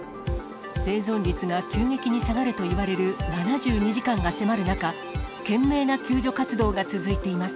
生存率が急激に下がるといわれる７２時間が迫る中、懸命な救助活動が続いています。